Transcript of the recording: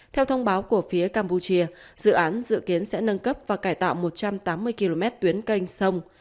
theo thông báo của phía campuchia dự án dự kiến sẽ nâng cấp và cải tạo một trăm tám mươi km tuyến canh sông